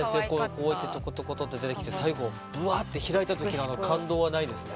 こうやってトコトコと出てきて最後ブワって開いた時のあの感動はないですね。